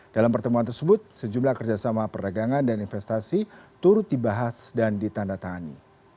dalam pertemuan tersebut sejumlah kerjasama perdagangan dan investasi turut dibahas dan ditandatangani